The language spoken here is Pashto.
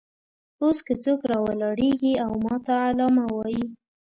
اوس که څوک راولاړېږي او ماته علامه وایي.